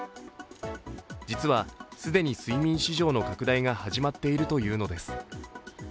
実は、既に睡眠市場の拡大が始まっているというのです。